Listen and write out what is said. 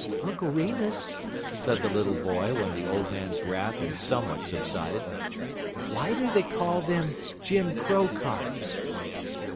"Uncle Remus," said the little boy, when the old man's wrath had somewhat subsided, "why do they call them Jim Crow cards?"